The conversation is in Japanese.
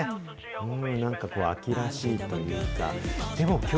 なんかこう、秋らしいというか。